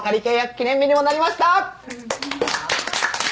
記念日にもなりました！